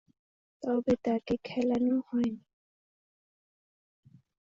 তবে তাকে খেলানো হয়নি।